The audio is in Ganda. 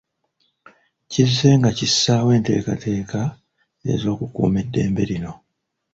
Kizzenga kissaawo enteekateeka ez’okukuuma eddembe lino.